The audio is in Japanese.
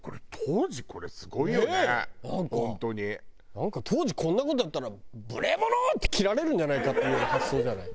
なんか当時こんな事やったら「無礼者！」って斬られるんじゃないかっていう発想じゃない？